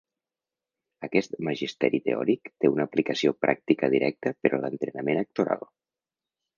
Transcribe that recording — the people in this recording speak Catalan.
Aquest magisteri teòric té una aplicació pràctica directa per a l'entrenament actoral.